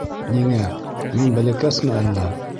— Ниңә, мин бәләкәсме әллә?